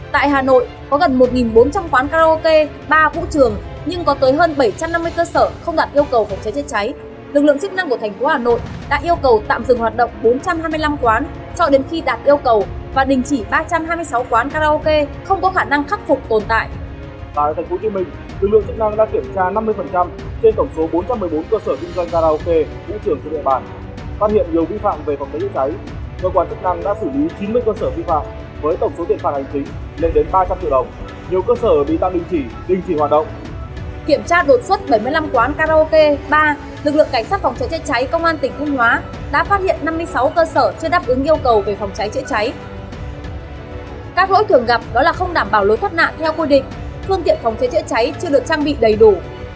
thực tế này đã cho thấy hầu hết các địa phương đã đảm bảo lối thoát nạn theo quy định phương tiện phòng cháy chết cháy chưa được trang bị đầy đủ